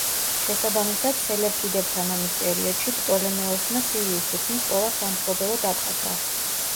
შესაბამისად, სელევკიდებთან ომის პერიოდში პტოლემეოსმა სირიის თითქმის ყველა სამფლობელო დაკარგა.